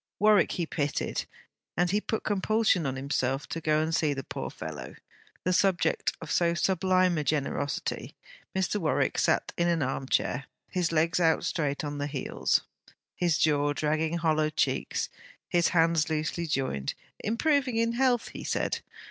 Warwick he pitied, and he put compulsion on himself to go and see the poor fellow, the subject of so sublime a generosity. Mr. Warwick sat in an arm chair, his legs out straight on the heels, his jaw dragging hollow cheeks, his hands loosely joined; improving in health, he said.